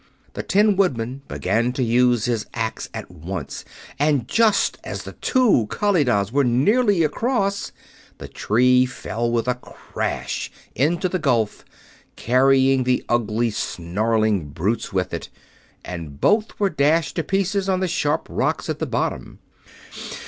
The Tin Woodman began to use his axe at once, and, just as the two Kalidahs were nearly across, the tree fell with a crash into the gulf, carrying the ugly, snarling brutes with it, and both were dashed to pieces on the sharp rocks at the bottom.